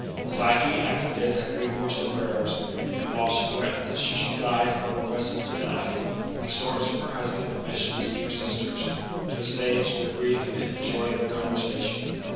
Psyche after this had recourse to prayers, and, while she threatens that she shall die if her request is denied, extorts from her husband permission to see her sisters, to assuage their grief and enjoy their conversation.